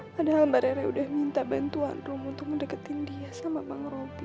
padahal mbak rere udah minta bantuan rumu untuk mendekatin dia sama bang roby